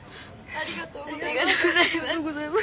ありがとうございます。